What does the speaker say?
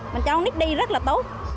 mình cho nít đi rất là tốt